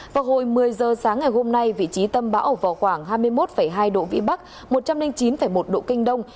vào hồi một mươi giờ sáng ngày hôm nay vị trí tâm bão ở vào khoảng hai mươi một hai độ vĩ bắc một trăm linh chín một độ kinh đông